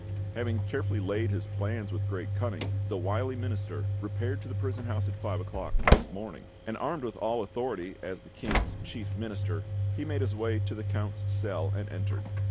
Having carefully laid his plans with great cunning, the wily Minister repaired to the prison house at five o'clock next morning; and armed with all authority as the King's Chief Minister, he made his way to the Count's cell, and entered.